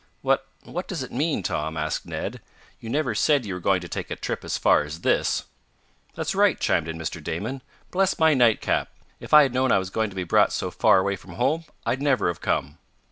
"What what does it mean, Tom?" asked Ned. "You never said you were going to take a trip as far as this." "That's right," chimed in Mr. Damon. "Bless my nightcap! If I had known I was going to be brought so far away from home I'd never have come."